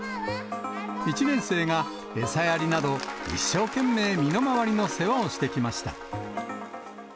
１年生が餌やりなど、一生懸命身の回りの世話をしてきました。